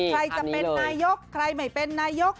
ใครจะเป็นนายกใครไม่เป็นนายก